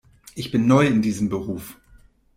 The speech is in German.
Ich bin neu in diesem Beruf.